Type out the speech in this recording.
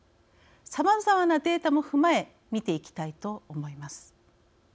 さまざまなデータも踏まえ見ていきたいと思います。